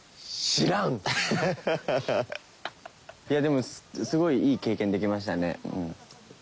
いやでもすごいいい経験できましたね。